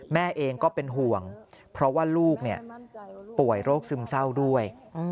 แม่เองก็เป็นห่วงเพราะว่าลูกป่วยโรคซึมเศร้าด้วย